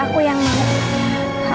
aku yang mau